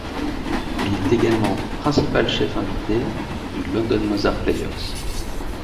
Il est également Principal chef invité du London Mozart Players.